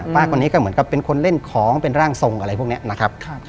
ป้าคนนี้ก็เหมือนกับเป็นคนเล่นของเป็นร่างทรงอะไรพวกนี้นะครับ